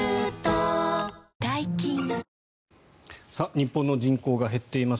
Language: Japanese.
日本の人口が減っています。